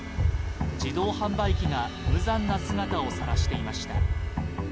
自動販売機が無残な姿をさらしていました。